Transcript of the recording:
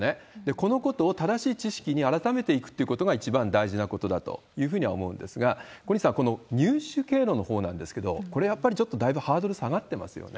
このことを正しい知識に改めていくということが一番大事なことだと思うんですが、小西さん、この入手経路のほうなんですけれども、ちょっとだいぶハードル下がってますよね。